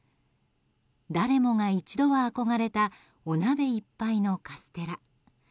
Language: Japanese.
誰もが一度は憧れたお鍋いっぱいのカステラ。